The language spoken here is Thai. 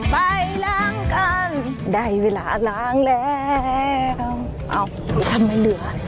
ไปล้างก่อนได้เวลาล้างแล้ว